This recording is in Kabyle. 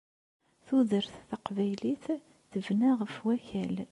Tudert taqbaylit tebna ɣef wakal.